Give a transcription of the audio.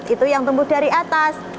itu yang tumbuh dari atas